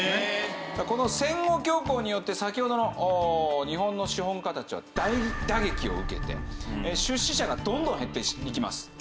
この戦後恐慌によって先ほどの日本の資本家たちは大打撃を受けて出資者がどんどん減っていきます。